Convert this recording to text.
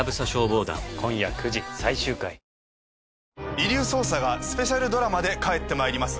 『遺留捜査』がスペシャルドラマで帰って参ります。